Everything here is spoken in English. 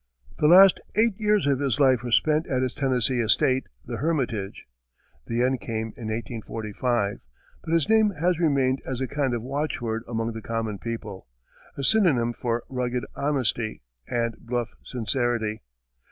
The last eight years of his life were spent at his Tennessee estate, The Hermitage. The end came in 1845, but his name has remained as a kind of watchword among the common people a synonym for rugged honesty, and bluff sincerity.